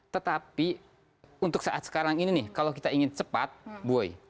tetapi untuk saat sekarang ini nih kalau kita ingin cepat buoy